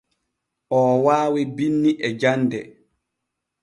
Oo waawi binni e jande.